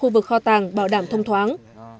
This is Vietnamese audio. vực kho tàng bảo đảm thông thoáng